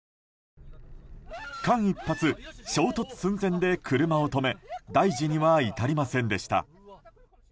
間一髪、衝突寸前で車を止め大事には至りませんでした。